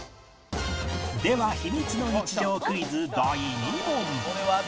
ではヒミツの日常クイズ第２問